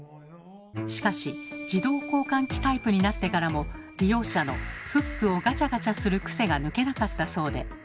しかし自動交換機タイプになってからも利用者のフックをガチャガチャするクセが抜けなかったそうで。